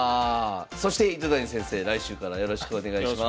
そして糸谷先生来週からよろしくお願いします。